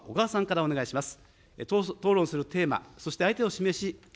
お願いします。